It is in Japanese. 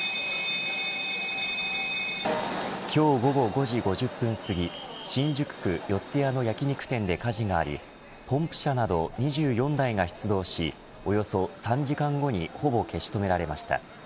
今日午後５時５０分すぎ新宿区四谷の焼き肉店で火事がありポンプ車など２４台が出動しおよそ３時間後にほぼ消し止められました。